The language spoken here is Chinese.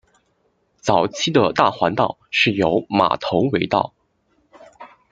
早期的大环道是由马头围道。